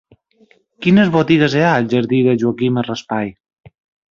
Quines botigues hi ha al jardí de Joaquima Raspall?